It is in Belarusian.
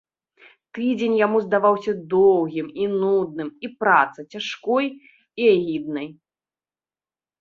Тыдзень яму здаваўся доўгім і нудным і праца цяжкой і агіднай.